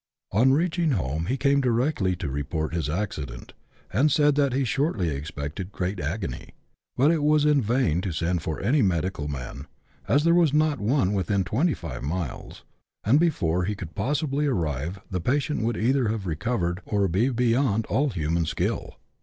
On reaching home he came directly to report his accident, and said that he shortly expected great agony ; but it was in vain to send for any medical man, as there was not one within twenty five miles, and before he could possibly arrive the patient would either have recovered, or be beyond all human skill.